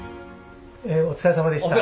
お疲れさまでした。